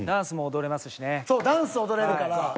そうダンス踊れるから。